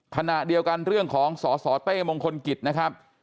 ขณะเดียวกันเรื่องของสสเต้มงคลกิจนะครับ